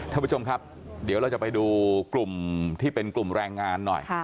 ท่านผู้ชมครับเดี๋ยวเราจะไปดูกลุ่มที่เป็นกลุ่มแรงงานหน่อย